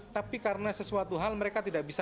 tapi karena sesuatu hal mereka tidak bisa